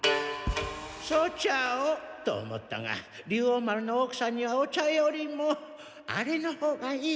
粗茶をと思ったが竜王丸のおくさんにはお茶よりもあれのほうがいい！